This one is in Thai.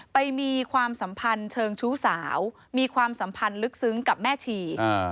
มีความสัมพันธ์เชิงชู้สาวมีความสัมพันธ์ลึกซึ้งกับแม่ชี